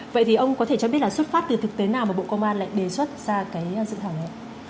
vậy thì ông có thể cho biết là xuất phát từ thực tế nào mà bộ công an lại đề xuất ra cái dự thảo này